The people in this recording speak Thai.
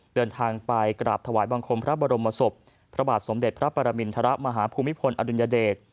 เดินทางไปกราบถวายบังคมพระบรมศพพระบาทสมเด็จพระปรมินทรมาฮภูมิพลอดุลยเดช